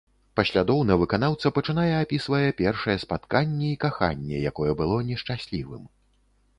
Паслядоўна выканаўца пачынае апісвае першае спатканне і каханне, якое было не шчаслівым.